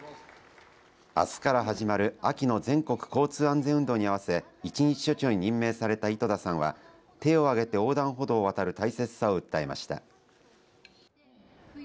あすから始まる秋の全国交通安全運動に合わせ一日署長に任命された井戸田さんは手を上げて横断歩道を渡る大切さを訴えました。